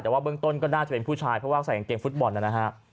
แต่ว่าเบื้องต้นก็น่าจะเป็นผู้ชายเพราะว่าใส่กางเกงฟุตบอลนะฮะ